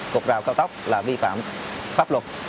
cục rào cao tốc là vi phạm pháp luật